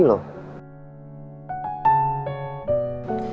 kayanya apa opa devin ngerti